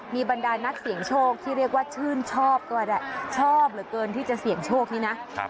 มีบรรดานักเสี่ยงโชคที่เรียกว่าชื่นชอบก็ได้ชอบเหลือเกินที่จะเสี่ยงโชคนี้นะ